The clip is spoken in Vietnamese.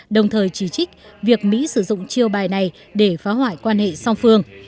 đồng thời chỉ trích việc mỹ sử dụng chiêu bài này để phá hoại quan hệ song phương